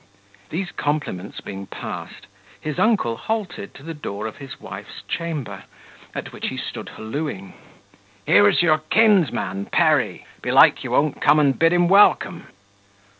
These compliments being passed, his uncle halted to the door of his wife's chamber, at which he stood hallooing, "Here's your kinsman, Perry: belike you won't come and bid him welcome."